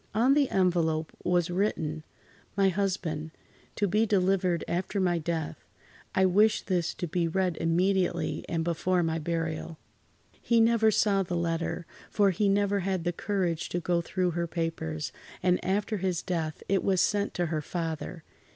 On the envelope was written: "My Husband. To be delivered after my death. I wish this to be read immediately and before my burial." He never saw the letter, for he never had the courage to go through her papers, and after his death it was sent to her father.